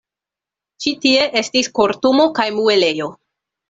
Ĉi tie estis kortumo kaj muelejo.